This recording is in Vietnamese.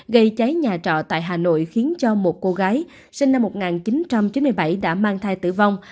gây cháy nhà trọ tại hà nội khiến cho một cô gái sinh năm một nghìn chín trăm chín mươi bảy đã mang thai tử vong